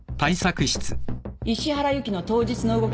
石原由貴の当日の動きは？